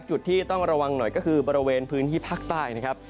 จุดที่ต้องระวังหน่อยก็คือบริเวณพื้นที่ภาคใต้นะครับ